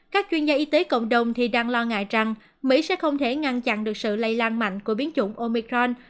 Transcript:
các chuyên gia y tế cộng đồng thì đang lo ngại rằng mỹ sẽ không thể ngăn chặn được sự lây lan mạnh của biến chủng omicron